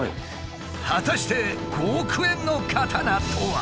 果たして５億円の刀とは？